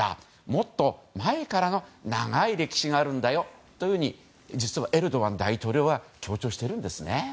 もっと前からの長い歴史があるんだよというふうに実はエルドアン大統領は強調しているんですね。